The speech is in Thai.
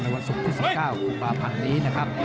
วันศุกร์ที่๑๙กุมภาพันธ์นี้นะครับ